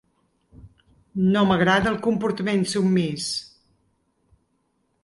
No m’agrada el comportament submís.